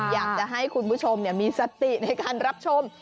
อยากจะให้คุณผู้ชมมีสติในการรับชม